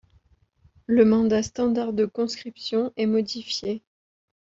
Le mandat standard de conscription est modifié.